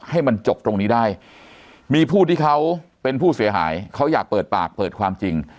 ให้มันจบตรงนี้ได้มีผู้ที่เขาเป็นผู้เสียหายเขาอยากเปิดปากเปิดความจริง